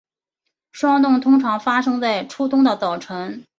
霜冻通常发生在初冬的早晨。